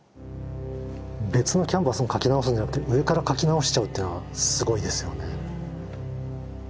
別のキャンバスに描き直すんじゃなくて上から描き直しちゃうってのはすごいですよね。